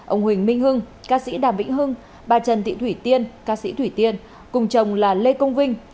ông huỳnh minh hưng ca sĩ đàm vĩnh hưng bà trần thị thủy tiên ca sĩ thủy tiên cùng chồng là lê công vinh